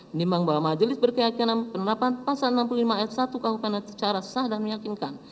menimbang bahwa majlis berkeyakinan penerimaan pasal enam puluh lima ayat satu kahwa pidana secara sah dan meyakinkan